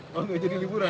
oh enggak jadi liburan